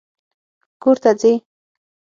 کور ته ځې؟